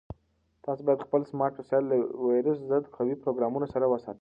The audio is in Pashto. تاسو باید خپل سمارټ وسایل له ویروس ضد قوي پروګرامونو سره وساتئ.